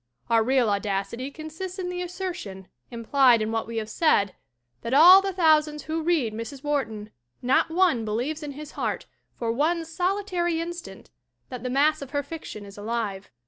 Our real audacity consists in the assertion, implied in what we have said, that of EDITH WHARTON 7 all the thousands who read Mrs. Wharton not one believes in his heart for one solitary instant that the mass of her fiction is alive.